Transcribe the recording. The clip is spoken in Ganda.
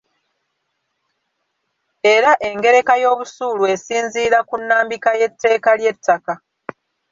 Era engereka y'obusuulu esinziira ku nnambika y’etteeka ly’ettaka.